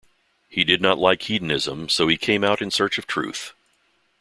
He did not like hedonism so he came out in search of truth.